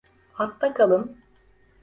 Hatta kalın.